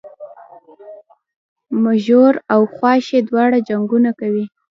مږور او خواښې دواړه جنګونه کوي